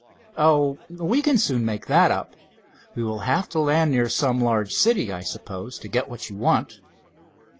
"Oh, we can soon make that up. We will have to land near some large city, I suppose, to get what you want."